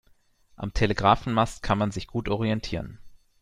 Am Telegrafenmast kann man sich gut orientieren.